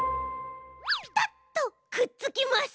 ピタッとくっつきます。